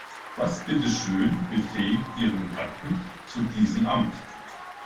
Was bitte schön befähigt ihren Gatten zu diesem Amt?